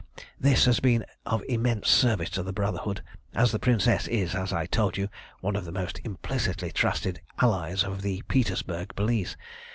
"This has been of immense service to the Brotherhood, as the Princess is, as I told you, one of the most implicitly trusted allies of the Petersburg police.